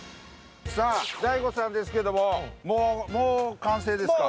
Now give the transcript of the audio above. さあ大悟さんですけどももう完成ですか？